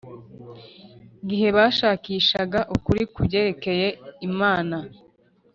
gihe bashakishaga ukuri ku byerekeye Imana